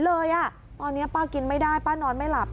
แล้วคุณป้าบอกรถคันเนี้ยเป็นรถคู่ใจเลยนะใช้มานานแล้วในการทำมาหากิน